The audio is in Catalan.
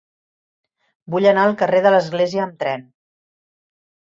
Vull anar al carrer de l'Església amb tren.